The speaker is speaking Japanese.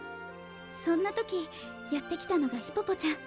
そんな時やって来たのがヒポポちゃん。